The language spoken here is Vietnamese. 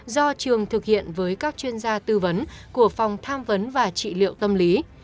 do trường thực hiện với các chuyên gia tư vấn của phòng tham vấn và trị liệu tâm lý